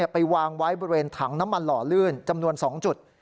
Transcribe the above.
ไปวางไว้บริเวณถังน้ำมันหล่อลื่นจำนวน๒จุด